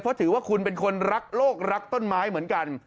เพราะถือว่าคุณเป็นคนรักโลกรักต้นไม้เหมือนกัน